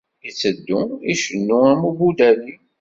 Iteddu icennu am ubudali.